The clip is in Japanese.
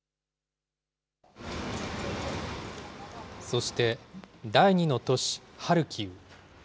そして、第２の都市、ハルキウ。